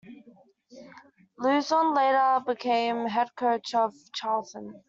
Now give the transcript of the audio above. Luzon later became head coach of Charlton.